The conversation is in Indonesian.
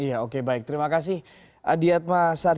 ya aku bilang itu n animate studio maksimal